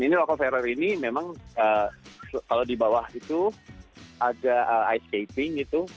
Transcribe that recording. dan ini loco fairer ini memang kalau di bawah itu ada ice skating gitu